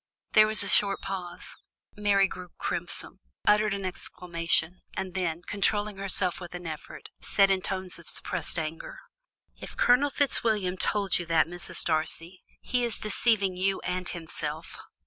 There was a short pause; Mary grew crimson, uttered an exclamation, and then, controlling herself with an effort, said in tones of suppressed anger: "If Colonel Fitzwilliam told you that, Mrs. Darcy, he is deceiving you and himself.